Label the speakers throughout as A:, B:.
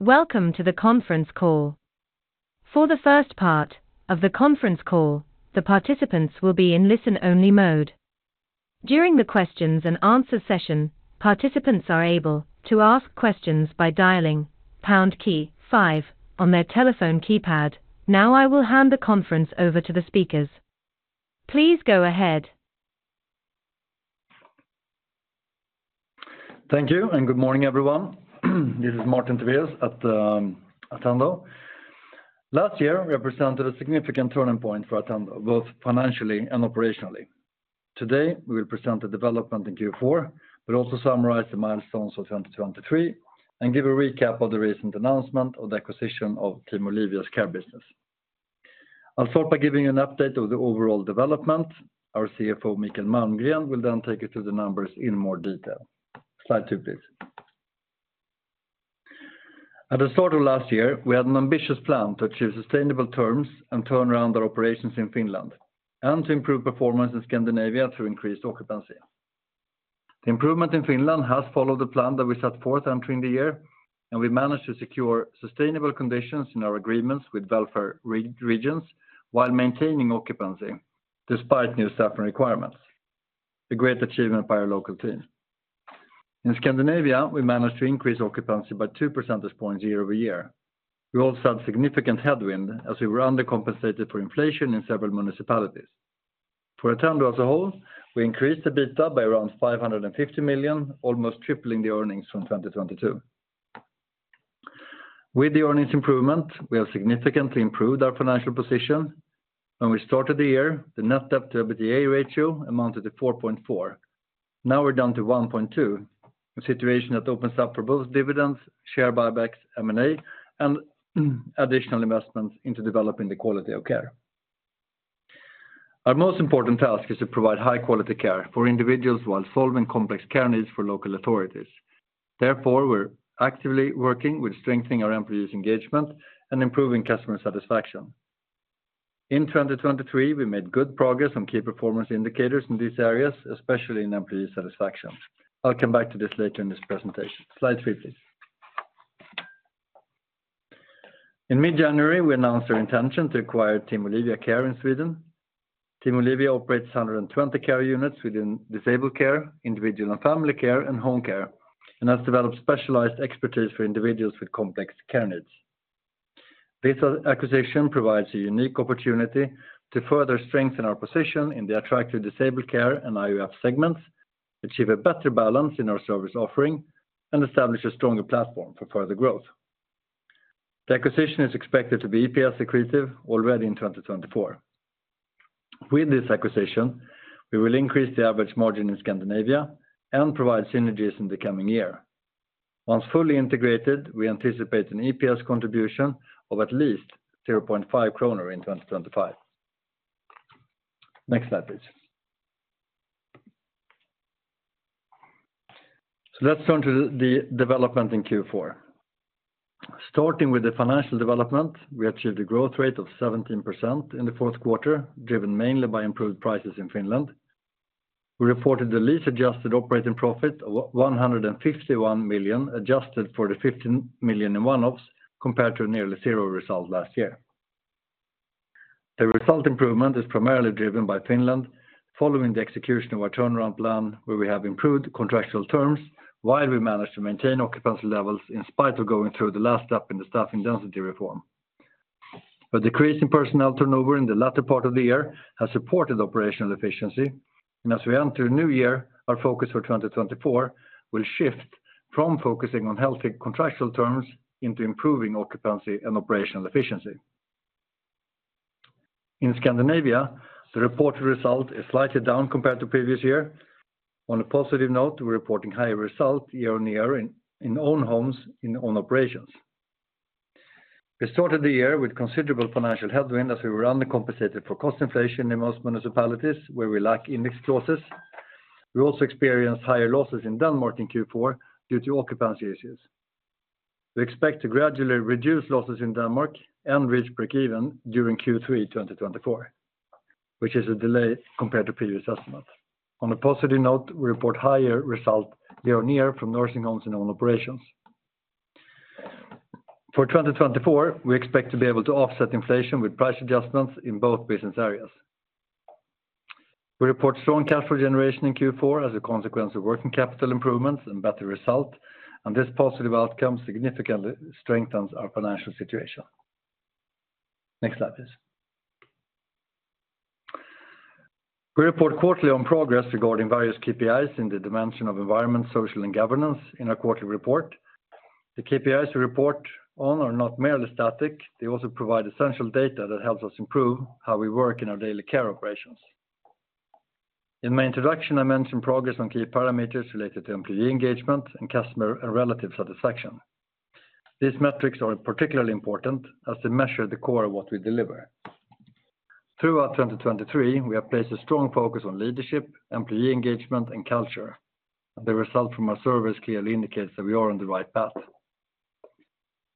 A: Welcome to the conference call. For the first part of the conference call, the participants will be in listen-only mode. During the questions and answer session, participants are able to ask questions by dialing pound key five on their telephone keypad. Now, I will hand the conference over to the speakers. Please go ahead.
B: Thank you, and good morning, everyone. This is Martin Tivéus at Attendo. Last year, we represented a significant turning point for Attendo, both financially and operationally. Today, we will present the development in Q4, but also summarize the milestones of 2023, and give a recap of the recent announcement of the acquisition of Team Olivia's care business. I'll start by giving you an update of the overall development. Our CFO, Mikael Malmgren, will then take you through the numbers in more detail. Slide two, please. At the start of last year, we had an ambitious plan to achieve sustainable terms and turn around our operations in Finland, and to improve performance in Scandinavia through increased occupancy. The improvement in Finland has followed the plan that we set forth entering the year, and we managed to secure sustainable conditions in our agreements with welfare regions, while maintaining occupancy despite new staffing requirements. A great achievement by our local team. In Scandinavia, we managed to increase occupancy by 2 percentage points year-over-year. We all saw significant headwind as we were undercompensated for inflation in several municipalities. For Attendo as a whole, we increased the EBITDA by around 550 million, almost tripling the earnings from 2022. With the earnings improvement, we have significantly improved our financial position. When we started the year, the net debt-to-EBITDA ratio amounted to 4.4x. Now we're down to 1.2x, a situation that opens up for both dividends, share buybacks, M&A, and additional investments into developing the quality of care. Our most important task is to provide high-quality care for individuals while solving complex care needs for local authorities. Therefore, we're actively working with strengthening our employees' engagement and improving customer satisfaction. In 2023, we made good progress on key performance indicators in these areas, especially in employee satisfaction. I'll come back to this later in this presentation. Slide three, please. In mid-January, we announced our intention to acquire Team Olivia Care in Sweden. Team Olivia operates 120 care units within disabled care, individual and family care, and home care, and has developed specialized expertise for individuals with complex care needs. This acquisition provides a unique opportunity to further strengthen our position in the attractive disabled care and I&F segments, achieve a better balance in our service offering, and establish a stronger platform for further growth. The acquisition is expected to be EPS accretive already in 2024. With this acquisition, we will increase the average margin in Scandinavia and provide synergies in the coming year. Once fully integrated, we anticipate an EPS contribution of at least 0.5 kronor in 2025. Next slide, please. So let's turn to the development in Q4. Starting with the financial development, we achieved a growth rate of 17% in the fourth quarter, driven mainly by improved prices in Finland. We reported the lease-adjusted operating profit of 151 million, adjusted for the 15 million in one-offs, compared to nearly zero result last year. The result improvement is primarily driven by Finland, following the execution of our turnaround plan, where we have improved contractual terms, while we managed to maintain occupancy levels in spite of going through the last step in the staffing density reform. A decrease in personnel turnover in the latter part of the year has supported operational efficiency, and as we enter a new year, our focus for 2024 will shift from focusing on healthy contractual terms into improving occupancy and operational efficiency. In Scandinavia, the reported result is slightly down compared to previous year. On a positive note, we're reporting higher result year-on-year in, in own homes, in own operations. We started the year with considerable financial headwind as we were undercompensated for cost inflation in most municipalities where we lack index clauses. We also experienced higher losses in Denmark in Q4 due to occupancy issues. We expect to gradually reduce losses in Denmark and reach break even during Q3 2024, which is a delay compared to previous estimates. On a positive note, we report higher result year-on-year from nursing homes in own operations. For 2024, we expect to be able to offset inflation with price adjustments in both business areas. We report strong cash flow generation in Q4 as a consequence of working capital improvements and better result, and this positive outcome significantly strengthens our financial situation. Next slide, please. We report quarterly on progress regarding various KPIs in the dimension of environment, social, and governance in our quarterly report. The KPIs we report on are not merely static. They also provide essential data that helps us improve how we work in our daily care operations. In my introduction, I mentioned progress on key parameters related to employee engagement and customer and relative satisfaction. These metrics are particularly important as they measure the core of what we deliver. Throughout 2023, we have placed a strong focus on leadership, employee engagement, and culture. The result from our surveys clearly indicates that we are on the right path.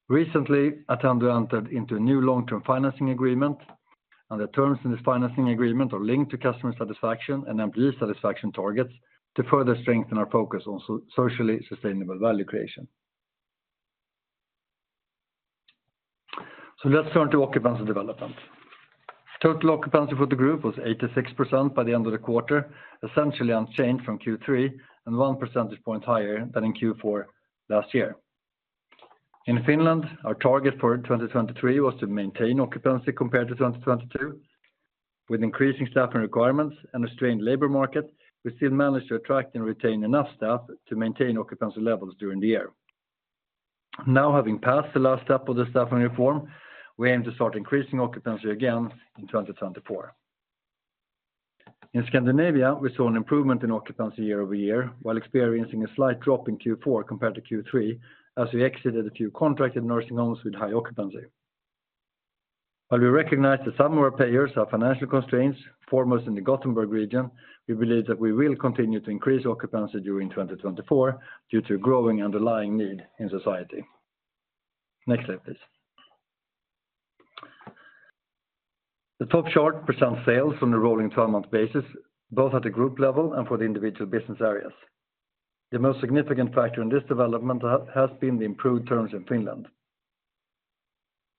B: Recently, Attendo entered into a new long-term financing agreement. The terms in this financing agreement are linked to customer satisfaction and employee satisfaction targets to further strengthen our focus on socially sustainable value creation. Let's turn to occupancy development. Total occupancy for the group was 86% by the end of the quarter, essentially unchanged from Q3, and one percentage point higher than in Q4 last year. In Finland, our target for 2023 was to maintain occupancy compared to 2022. With increasing staffing requirements and a strained labor market, we still managed to attract and retain enough staff to maintain occupancy levels during the year. Now, having passed the last step of the staffing reform, we aim to start increasing occupancy again in 2024. In Scandinavia, we saw an improvement in occupancy year-over-year, while experiencing a slight drop in Q4 compared to Q3, as we exited a few contracted nursing homes with high occupancy. While we recognize that some of our payers have financial constraints, foremost in the Gothenburg region, we believe that we will continue to increase occupancy during 2024 due to growing underlying need in society. Next slide, please. The top chart presents sales on a rolling 12-month basis, both at the group level and for the individual business areas. The most significant factor in this development has been the improved terms in Finland.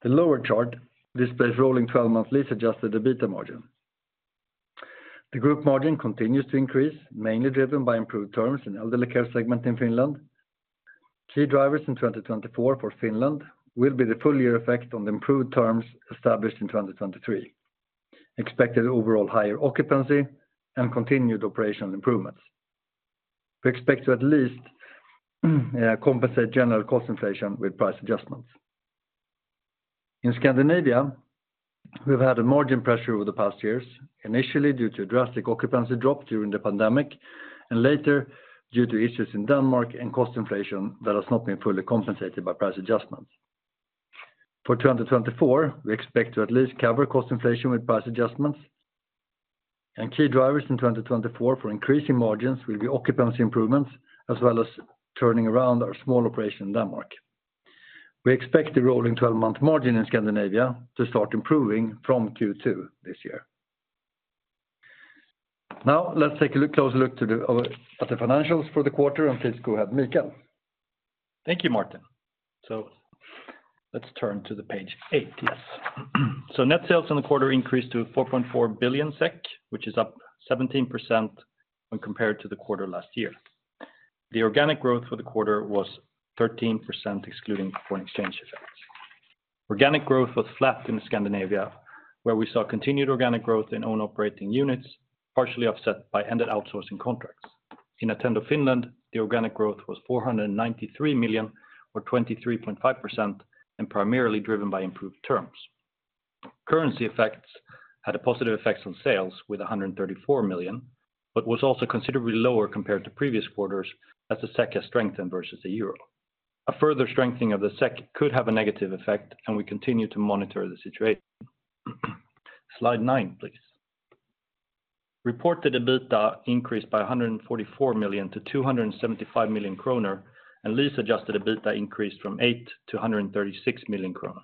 B: The lower chart displays rolling 12-month lease-adjusted EBITDA margin. The group margin continues to increase, mainly driven by improved terms in elderly care segment in Finland. Key drivers in 2024 for Finland will be the full year effect on the improved terms established in 2023, expected overall higher occupancy, and continued operational improvements. We expect to at least compensate general cost inflation with price adjustments. In Scandinavia, we've had a margin pressure over the past years, initially due to a drastic occupancy drop during the pandemic, and later due to issues in Denmark and cost inflation that has not been fully compensated by price adjustments. For 2024, we expect to at least cover cost inflation with price adjustments, and key drivers in 2024 for increasing margins will be occupancy improvements, as well as turning around our small operation in Denmark. We expect the rolling twelve-month margin in Scandinavia to start improving from Q2 this year. Now, let's take a closer look at the financials for the quarter, and please go ahead, Mikael.
C: Thank you, Martin. So let's turn to page eight. Yes. So net sales in the quarter increased to 4.4 billion SEK, which is up 17% when compared to the quarter last year. The organic growth for the quarter was 13%, excluding foreign exchange effects. Organic growth was flat in Scandinavia, where we saw continued organic growth in own operating units, partially offset by ended outsourcing contracts. In Attendo Finland, the organic growth was 493 million, or 23.5%, and primarily driven by improved terms. Currency effects had a positive effect on sales with 134 million, but was also considerably lower compared to previous quarters as the SEK has strengthened versus the euro. A further strengthening of the SEK could have a negative effect, and we continue to monitor the situation. Slide nine, please. Reported EBITDA increased by 144 million to 275 million kronor, and lease-adjusted EBITDA increased from 8 million kronor to 136 million kronor.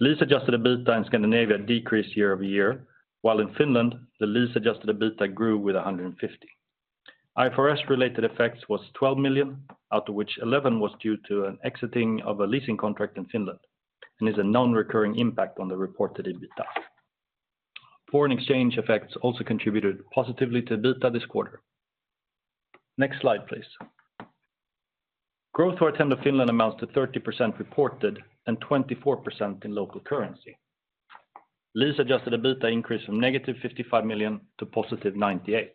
C: Lease-adjusted EBITDA in Scandinavia decreased year-over-year, while in Finland, the lease-adjusted EBITDA grew with 150 million. IFRS-related effects was 12 million, out of which 11 million was due to an exiting of a leasing contract in Finland, and is a non-recurring impact on the reported EBITDA. Foreign exchange effects also contributed positively to EBITDA this quarter. Next slide, please. Growth for Attendo Finland amounts to 30% reported and 24% in local currency. Lease-adjusted EBITDA increased from-SEK 55 million to +98 million.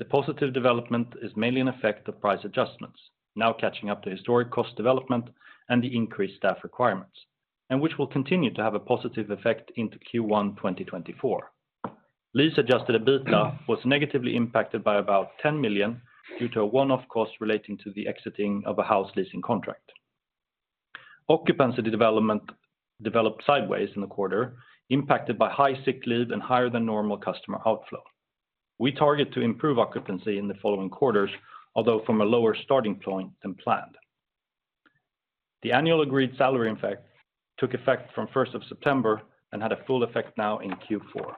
C: The positive development is mainly an effect of price adjustments, now catching up to historic cost development and the increased staff requirements, and which will continue to have a positive effect into Q1 2024. Lease-adjusted EBITDA was negatively impacted by about 10 million due to a one-off cost relating to the exiting of a house leasing contract. Occupancy development developed sideways in the quarter, impacted by high sick leave and higher than normal customer outflow. We target to improve occupancy in the following quarters, although from a lower starting point than planned. The annual agreed salary, in effect, took effect from first of September and had a full effect now in Q4.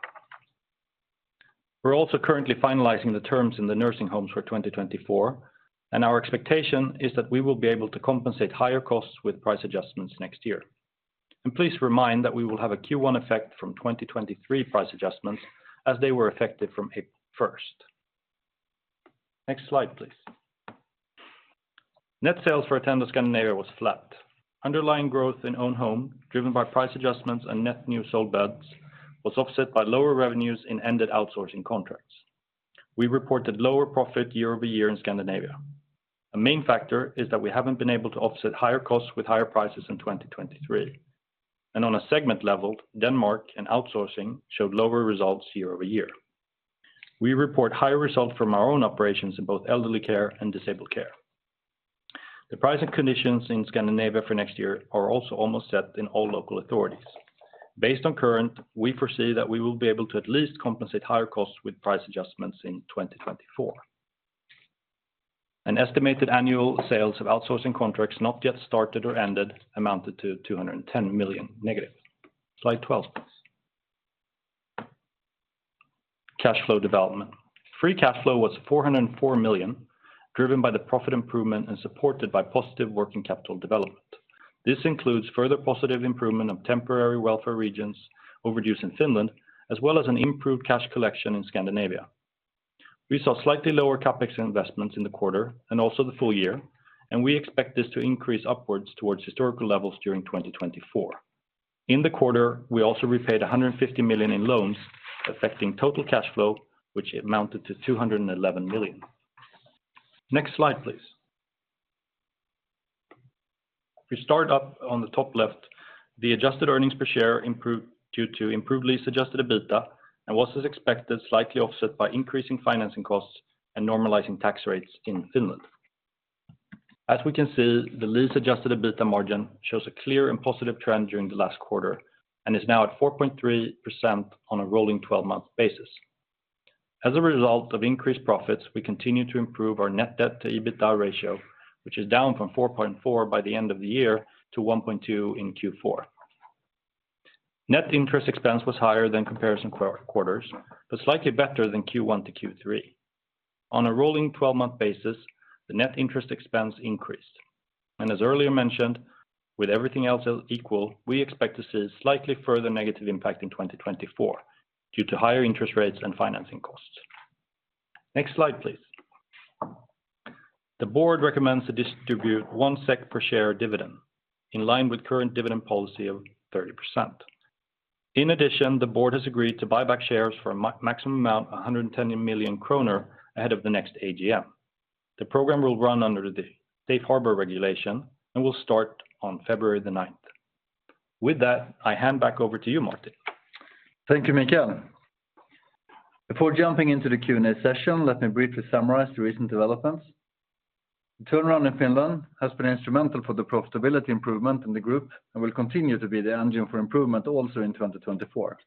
C: We're also currently finalizing the terms in the nursing homes for 2024, and our expectation is that we will be able to compensate higher costs with price adjustments next year. Please remind that we will have a Q1 effect from 2023 price adjustments, as they were effective from April 1st. Next slide, please. Net sales for Attendo Scandinavia was flat. Underlying growth in own home, driven by price adjustments and net new sold beds, was offset by lower revenues in ended outsourcing contracts. We reported lower profit year-over-year in Scandinavia. A main factor is that we haven't been able to offset higher costs with higher prices in 2023. And on a segment level, Denmark and outsourcing showed lower results year-over-year. We report higher results from our own operations in both elderly care and disabled care. The pricing conditions in Scandinavia for next year are also almost set in all local authorities. Based on current, we foresee that we will be able to at least compensate higher costs with price adjustments in 2024. An estimated annual sales of outsourcing contracts not yet started or ended amounted to -210 million. Slide 12, please. Cash flow development. Free cash flow was 404 million, driven by the profit improvement and supported by positive working capital development. This includes further positive improvement of temporary welfare regions overdue in Finland, as well as an improved cash collection in Scandinavia. We saw slightly lower CapEx investments in the quarter and also the full year, and we expect this to increase upwards towards historical levels during 2024. In the quarter, we also repaid 150 million in loans, affecting total cash flow, which amounted to 211 million. Next slide, please. We start up on the top left, the adjusted earnings per share improved due to improved lease-adjusted EBITDA, and was as expected, slightly offset by increasing financing costs and normalizing tax rates in Finland. As we can see, the lease-adjusted EBITDA margin shows a clear and positive trend during the last quarter, and is now at 4.3% on a rolling 12-month basis. As a result of increased profits, we continue to improve our net debt to EBITDA ratio, which is down from 4.4x by the end of the year to 1.2x in Q4. Net interest expense was higher than comparison quarters, but slightly better than Q1-Q3. On a rolling 12-month basis, the net interest expense increased. As earlier mentioned, with everything else equal, we expect to see slightly further negative impact in 2024 due to higher interest rates and financing costs. Next slide, please. The board recommends to distribute 1 SEK per share dividend, in line with current dividend policy of 30%. In addition, the board has agreed to buy back shares for a maximum amount, 110 million kronor ahead of the next AGM. The program will run under the Safe Harbor regulation and will start on February 9th. With that, I hand back over to you, Martin.
B: Thank you, Mikael. Before jumping into the Q&A session, let me briefly summarize the recent developments. The turnaround in Finland has been instrumental for the profitability improvement in the group, and will continue to be the engine for improvement also in 2024.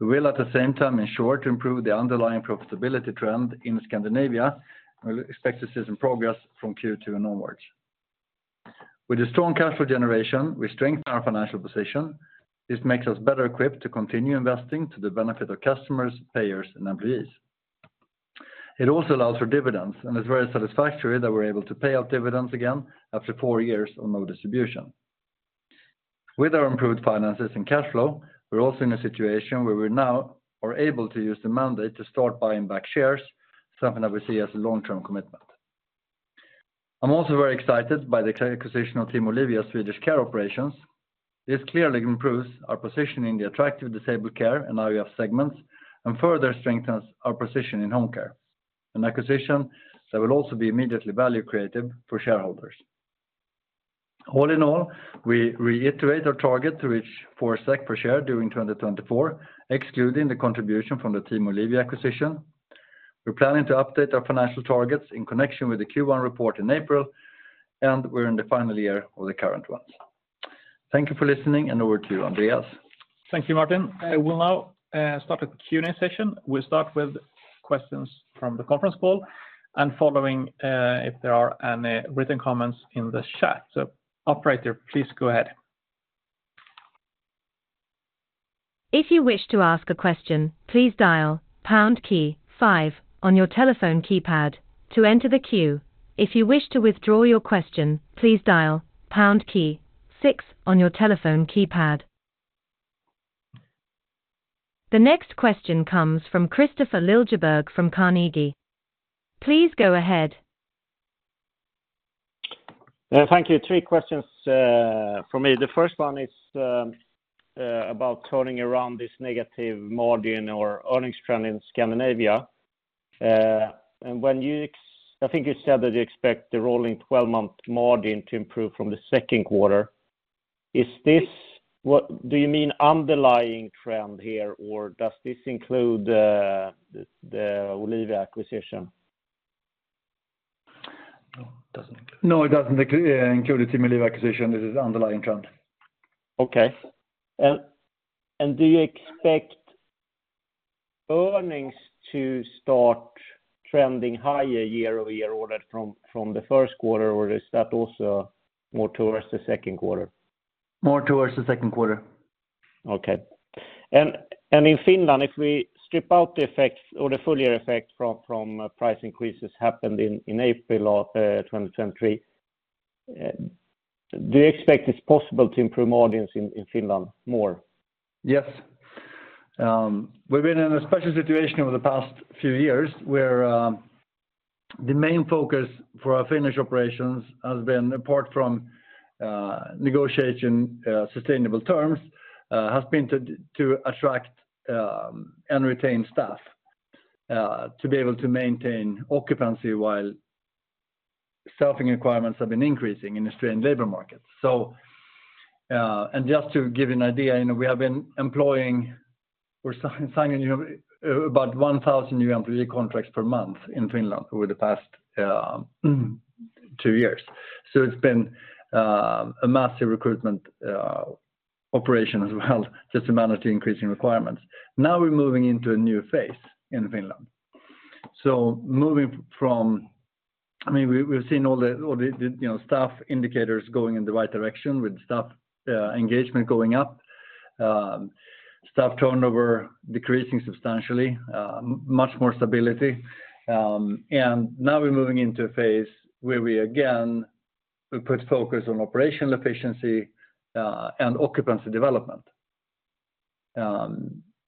B: We will, at the same time, ensure to improve the underlying profitability trend in Scandinavia. We expect to see some progress from Q2 and onwards. With the strong cash flow generation, we strengthen our financial position. This makes us better equipped to continue investing to the benefit of customers, payers, and employees. It also allows for dividends, and it's very satisfactory that we're able to pay out dividends again after four years of no distribution. With our improved finances and cash flow, we're also in a situation where we now are able to use the mandate to start buying back shares, something that we see as a long-term commitment. I'm also very excited by the acquisition of Team Olivia Swedish Care Operations. This clearly improves our position in the attractive disabled care, and I&F segments, and further strengthens our position in home care. An acquisition that will also be immediately value creative for shareholders. All in all, we reiterate our target to reach 4 SEK per share during 2024, excluding the contribution from the Team Olivia acquisition. We're planning to update our financial targets in connection with the Q1 report in April, and we're in the final year of the current ones. Thank you for listening, and over to you, Andreas.
D: Thank you, Martin. I will now start the Q&A session. We'll start with questions from the conference call and following, if there are any written comments in the chat. So operator, please go ahead.
A: If you wish to ask a question, please dial pound key five on your telephone keypad to enter the queue. If you wish to withdraw your question, please dial pound key six on your telephone keypad. The next question comes from Kristofer Liljeberg from Carnegie. Please go ahead.
E: Thank you. Three questions from me. The first one is about turning around this negative margin or earnings trend in Scandinavia. And when you—I think you said that you expect the rolling 12-month margin to improve from the second quarter. Is this—what do you mean underlying trend here, or does this include the Olivia acquisition?
B: No, it doesn't include. No, it doesn't include the Team Olivia acquisition. This is underlying trend.
E: Okay. Do you expect earnings to start trending higher year-over-year or from the first quarter, or is that also more towards the second quarter?
B: More towards the second quarter.
E: Okay. And in Finland, if we strip out the effects or the full year effect from price increases happened in April of 2023, do you expect it's possible to improve margins in Finland more?
B: Yes. We've been in a special situation over the past few years, where the main focus for our Finnish operations has been, apart from negotiating sustainable terms, has been to attract and retain staff to be able to maintain occupancy while staffing requirements have been increasing in the strained labor market. So, and just to give you an idea, you know, we have been employing, we're signing about 1,000 new employee contracts per month in Finland over the past two years. So it's been a massive recruitment operation as well, just to manage the increasing requirements. Now we're moving into a new phase in Finland. I mean, we've seen all the staff indicators going in the right direction, with staff engagement going up, staff turnover decreasing substantially, much more stability. And now we're moving into a phase where we again put focus on operational efficiency and occupancy development.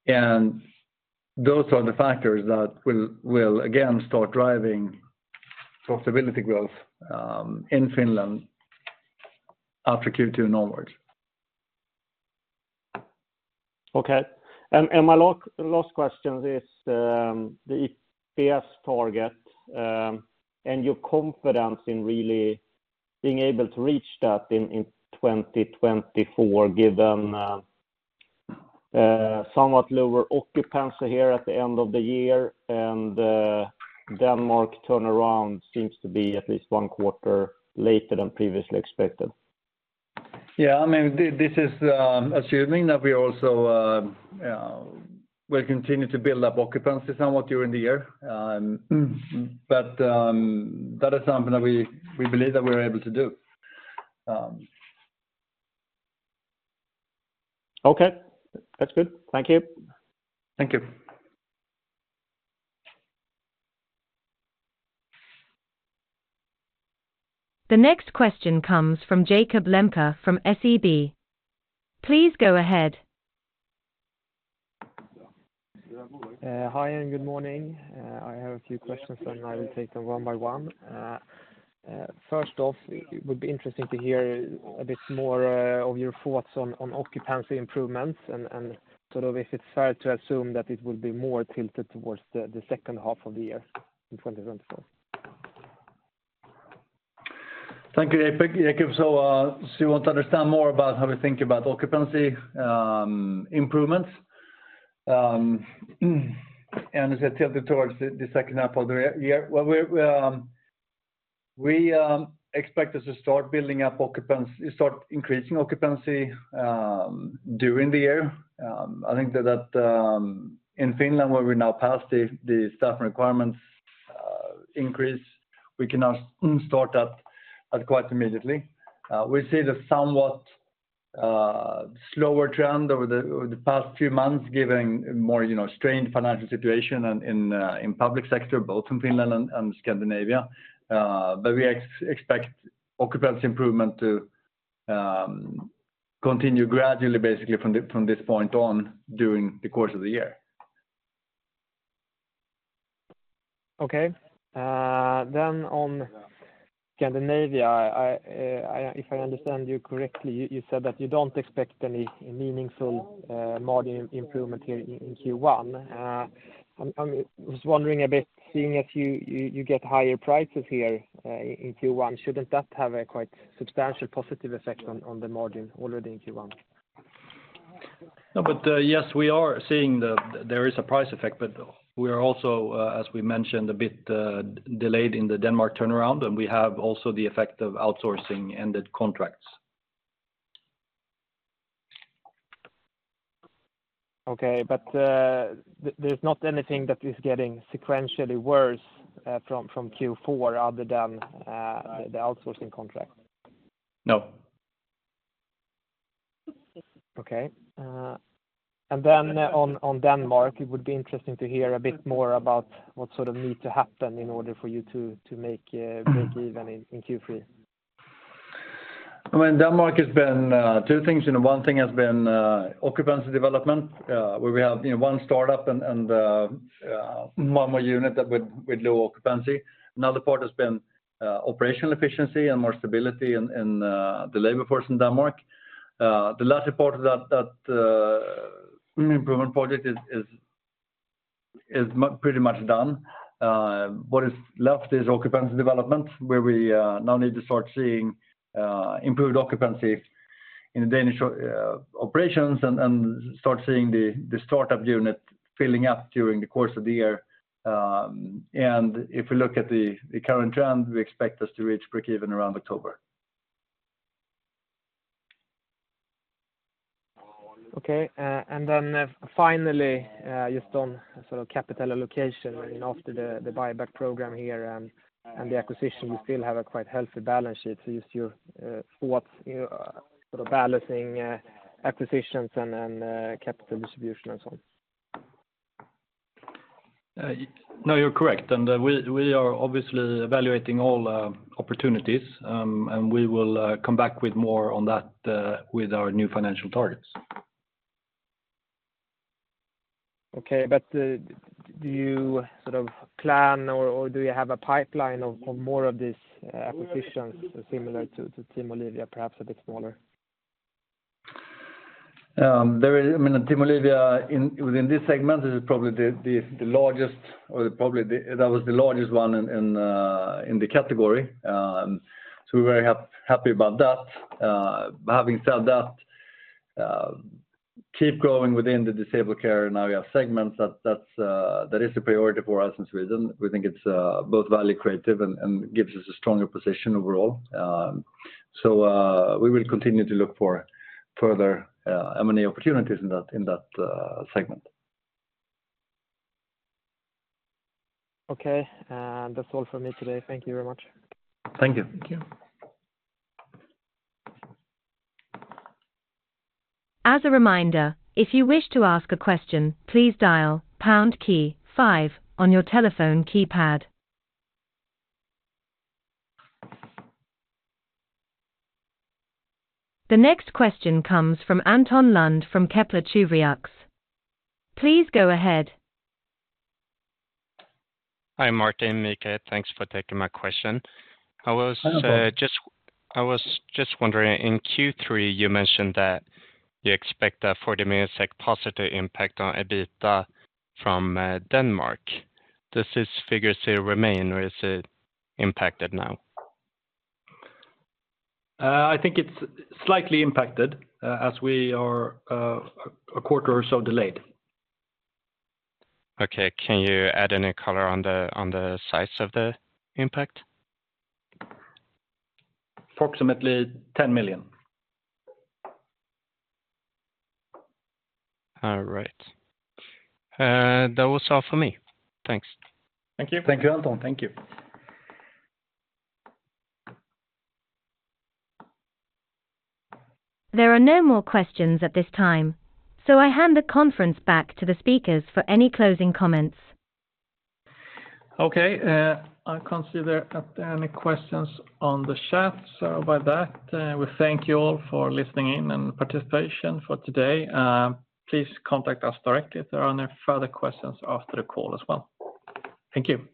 B: And those are the factors that will again start driving affordability growth in Finland after Q2 onwards.
E: Okay. And my last question is the EPS target and your confidence in really being able to reach that in 2024, given somewhat lower occupancy here at the end of the year, and Denmark turnaround seems to be at least one quarter later than previously expected.
B: Yeah. I mean, this is, assuming that we also will continue to build up occupancy somewhat during the year. But, that is something that we believe that we're able to do.
E: Okay. That's good. Thank you.
B: Thank you.
A: The next question comes from Jakob Lembke from SEB. Please go ahead.
F: Hi, and good morning. I have a few questions, and I will take them one by one. First off, it would be interesting to hear a bit more of your thoughts on occupancy improvements, and sort of if it's fair to assume that it will be more tilted towards the second half of the year in 2024.
B: Thank you, Jacob. So, so you want to understand more about how we think about occupancy improvements, and is it tilted towards the second half of the year? Well, we're, we expect us to start increasing occupancy during the year. I think that, that in Finland, where we now pass the staff requirements increase, we can now start that quite immediately. We see the somewhat slower trend over the past few months, giving more, you know, strained financial situation and in public sector, both in Finland and Scandinavia. But we expect occupancy improvement to continue gradually, basically, from this point on, during the course of the year.
F: Okay. Then on Scandinavia, if I understand you correctly, you get higher prices here in Q1. Shouldn't that have a quite substantial positive effect on the margin already in Q1?
C: No, but, yes, we are seeing that there is a price effect, but we are also, as we mentioned, a bit, delayed in the Denmark turnaround, and we have also the effect of outsourcing ended contracts.
F: Okay, but there's not anything that is getting sequentially worse from Q4 other than the outsourcing contract?
B: No.
F: Okay. And then on Denmark, it would be interesting to hear a bit more about what sort of need to happen in order for you to make break even in Q3.
B: I mean, Denmark has been two things. You know, one thing has been occupancy development, where we have, you know, one startup and one more unit that with low occupancy. Another part has been operational efficiency and more stability in the labor force in Denmark. The latter part of that improvement project is pretty much done. What is left is occupancy development, where we now need to start seeing improved occupancy in the Danish operations and start seeing the startup unit filling up during the course of the year. And if we look at the current trend, we expect us to reach break even around October.
F: Okay. And then finally, just on sort of capital allocation, I mean, after the buyback program here and the acquisition, you still have a quite healthy balance sheet. So just your thoughts, you know, sort of balancing acquisitions and capital distribution and so on.
C: No, you're correct, and we are obviously evaluating all opportunities, and we will come back with more on that with our new financial targets.
F: Okay, but do you sort of plan or do you have a pipeline of more of these acquisitions similar to Team Olivia, perhaps a bit smaller?
B: There is—I mean, Team Olivia in, within this segment, this is probably the, the, the largest, or probably the—that was the largest one in, in the category. So we're very happy about that. But having said that, keep growing within the disabled care. Now we have segments that, that's, that is a priority for us in Sweden. We think it's both value creative and gives us a stronger position overall. So, we will continue to look for further M&A opportunities in that segment.
F: Okay, that's all for me today. Thank you very much.
B: Thank you.
A: Thank you. As a reminder, if you wish to ask a question, please dial pound key five on your telephone keypad. The next question comes from Anton Lund from Kepler Cheuvreux. Please go ahead.
G: Hi, Martin, Mikael. Thanks for taking my question. I was just wondering, in Q3, you mentioned that you expect a 40 million positive impact on EBITDA from Denmark. Does this figure still remain, or is it impacted now?
C: I think it's slightly impacted, as we are a quarter or so delayed.
G: Okay. Can you add any color on the size of the impact?
C: Approximately SEK 10 million.
G: All right. That was all for me. Thanks.
B: Thank you. Thank you, Anton. Thank you.
A: There are no more questions at this time, so I hand the conference back to the speakers for any closing comments.
D: Okay. I can't see there are any questions on the chat. So by that, we thank you all for listening in and participation for today. Please contact us directly if there are any further questions after the call as well. Thank you.